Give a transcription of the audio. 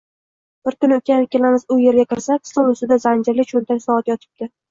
Bir kuni ukam ikkalamiz u yerga kirsak, stol ustida zanjirli cho‘ntak soati yotibdi.